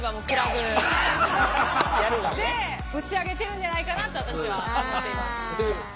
でブチ上げてるんじゃないかなと私は思っています。